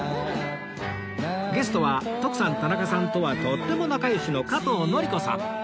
ゲストは徳さん田中さんとはとっても仲良しの加藤紀子さん